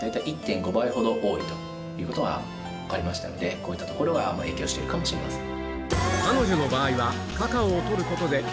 こういったところが影響しているかもしれません。